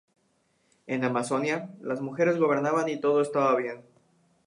En Amazonia, las mujeres gobernaban y todo estaba bien.